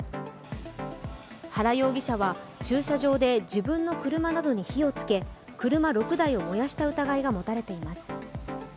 原容疑者は駐車場で自分の車などに火をつけ車６台を燃やした疑いが持たれています。